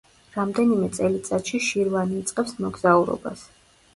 რამდენიმე წელიწადში შირვანი იწყებს მოგზაურობას.